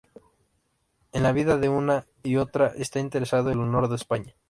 En la vida de una y otra está interesado el honor de España".